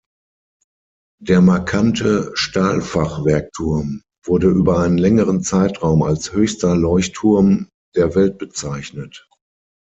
Der markante Stahlfachwerkturm wurde über einen längeren Zeitraum als höchster Leuchtturm der Welt bezeichnet.